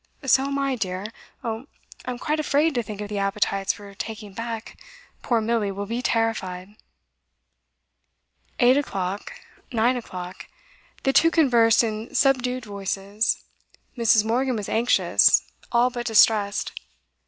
'So am I, dear. Oh, I'm quite afraid to think of the appetites we're taking back. Poor Milly will be terrified.' Eight o'clock, nine o'clock. The two conversed in subdued voices; Mrs. Morgan was anxious, all but distressed.